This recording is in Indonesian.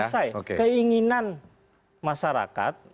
selesai keinginan masyarakat